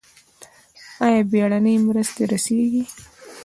آیا بیړنۍ مرستې رسیږي؟